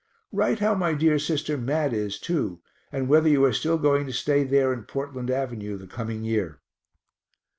Write how my dear sister Mat is too, and whether you are still going to stay there in Portland avenue the coming year.